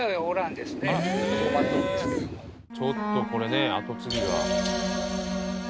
ちょっとこれね後継ぎが。